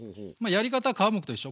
やり方は皮むくと一緒。